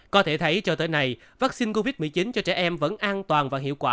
có thể thấy cho tới nay vaccine covid một mươi chín cho trẻ em vẫn an toàn và hiệu quả